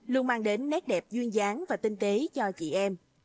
luôn mang đến nét đẹp duyên gián và tinh tế cho chị em